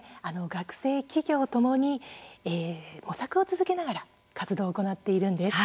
学生、企業ともに模索を続けながら活動を行っているんです。